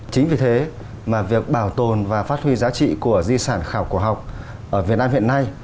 chính vì thế mà việc bảo tồn và phát huy giá trị của di sản khảo cổ học ở việt nam hiện nay